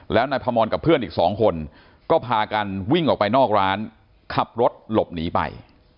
แล้วนายพมรกับเพื่อนอีกสองคนก็พากันวิ่งออกไปนอกร้านขับรถหลบหนีไป